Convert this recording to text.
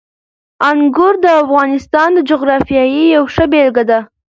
انګور د افغانستان د جغرافیې یوه ښه بېلګه ده.